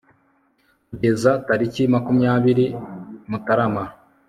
kugeza tariki makumyabiri mutarama